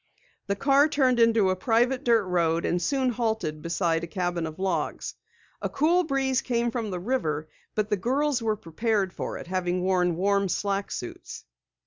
The car turned into a private dirt road and soon halted beside a cabin of logs. A cool breeze came from the river, but the girls were prepared for it, having worn warm slack suits.